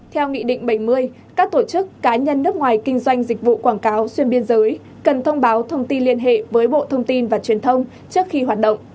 theo nghị định bảy mươi các tổ chức cá nhân nước ngoài kinh doanh dịch vụ quảng cáo xuyên biên giới cần thông báo thông tin liên hệ với bộ thông tin và truyền thông trước khi hoạt động